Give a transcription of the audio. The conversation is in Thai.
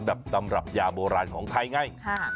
ตำรับยาโบราณของไทยไง